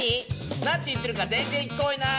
何て言ってるか全然聞こえない！